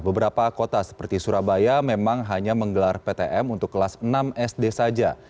beberapa kota seperti surabaya memang hanya menggelar ptm untuk kelas enam sd saja